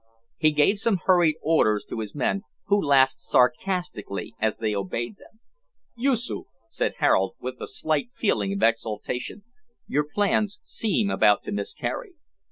He gave some hurried orders to his men, who laughed sarcastically as they obeyed them. "Yoosoof," said Harold, with a slight feeling of exultation, "your plans seem about to miscarry!"